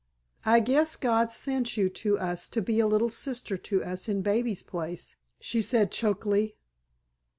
"I guess God sent you to us to be a little sister to us in baby's place," she said chokily.